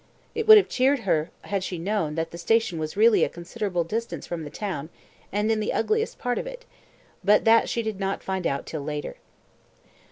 It would have cheered her had she known that the station was really a considerable distance from the town, and in the ugliest part of it; but that she did not find out till later.